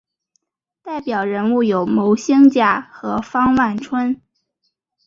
代表人物有牟兴甲和方万春。